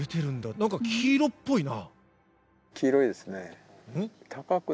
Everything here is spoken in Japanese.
何か黄色っぽいな。